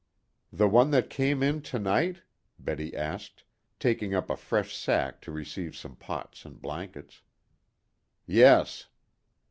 "The one that came in to night?" Betty asked, taking up a fresh sack to receive some pots and blankets. "Yes."